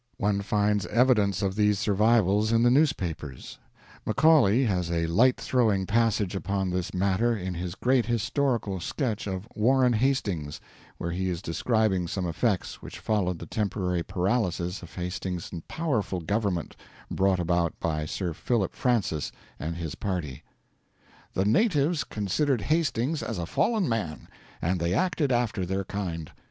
One finds evidence of these survivals in the newspapers. Macaulay has a light throwing passage upon this matter in his great historical sketch of Warren Hastings, where he is describing some effects which followed the temporary paralysis of Hastings' powerful government brought about by Sir Philip Francis and his party: "The natives considered Hastings as a fallen man; and they acted after their kind.